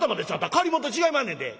借りもんと違いまんねんで」。